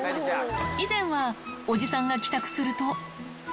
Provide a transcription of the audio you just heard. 以前はおじさんが帰宅すると。